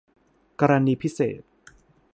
กรณีพิเศษ